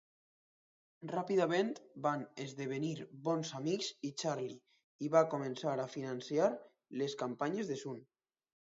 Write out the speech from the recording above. Ràpidament van esdevenir bons amics i Charlie i va començar a finançar les campanyes de Sun.